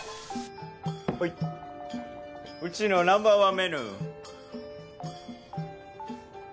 はいうちのナンバーワンメニュー